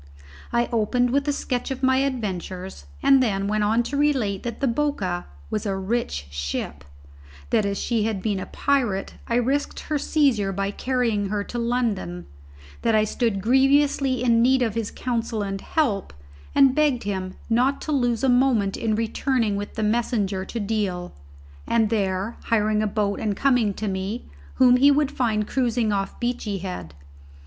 I opened with a sketch of my adventures, and then went on to relate that the Boca was a rich ship; that as she had been a pirate, I risked her seizure by carrying her to London; that I stood grievously in need of his counsel and help, and begged him not to lose a moment in returning with the messenger to Deal, and there hiring a boat and coming to me, whom he would find cruising off Beachy Head.